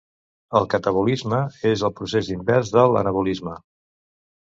El catabolisme és el procés invers de l'anabolisme.